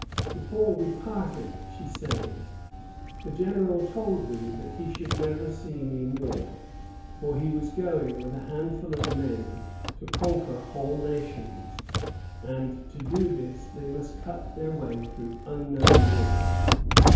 "Before we parted," she says, "the General told me that he should never see me more; for he was going with a handful of men to conquer whole nations; and to do this they must cut their way through unknown woods.